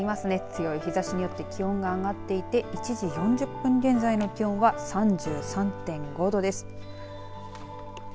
強い日ざしによって気温が上がっていて１時４０分現在の気温は３３．５度です。